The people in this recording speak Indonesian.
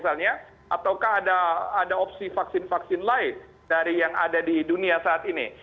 ataukah ada opsi vaksin vaksin lain dari yang ada di dunia saat ini